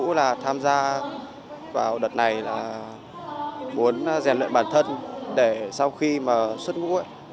chủ yếu là tham gia vào đợt này là muốn rèn luyện bản thân để sau khi mà xuất ngũ ấy